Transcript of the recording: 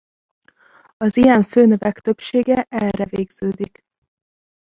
Az ilyen főnevek többsége e-re végződik.